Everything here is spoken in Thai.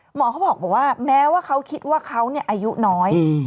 หมอเขาบอกว่าแม้ว่าเขาคิดว่าเขาอายุน้อย